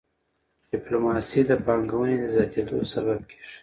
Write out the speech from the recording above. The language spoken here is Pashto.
ډيپلوماسي د پانګوني د زیاتيدو سبب کېږي.